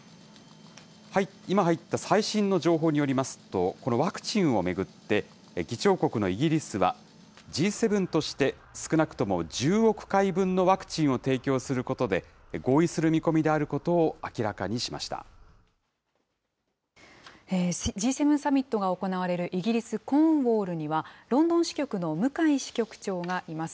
今入った最新の情報によりますと、このワクチンを巡って、議長国のイギリスは、Ｇ７として少なくとも１０億回分のワクチンを提供することで、合意する見込みであるＧ７サミットが行われるイギリス・コーンウォールには、ロンドン支局の向井支局長がいます。